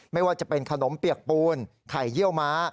ไม่ว่าจะเป็นขนมเปียกปูนไข่เยี่ยวม้า